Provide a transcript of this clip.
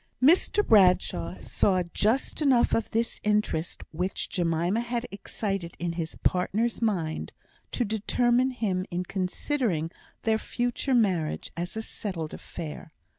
Mr Bradshaw saw just enough of this interest which Jemima had excited in his partner's mind, to determine him in considering their future marriage as a settled affair.